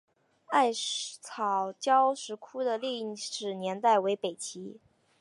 艾叶交石窟的历史年代为北齐。